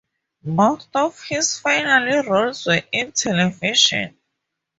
Most of his final roles were in television.